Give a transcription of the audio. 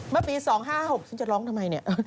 เมื่อปี๒๕๖ฉันจะร้องทำไมเนี่ย